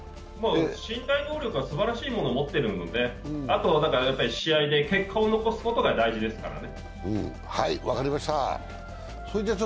身体能力はすばらしいものを持っているのであとは試合で結果を残すことが大事ですからね。